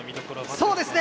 そうですね。